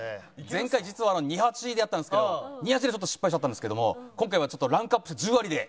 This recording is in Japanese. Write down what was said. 前回実は二八でやったんですけど二八でちょっと失敗しちゃったんですけども今回はちょっとランクアップして十割で。